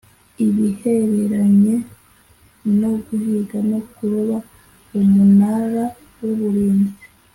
ibihereranye no guhiga no kuroba Umunara w Umurinzi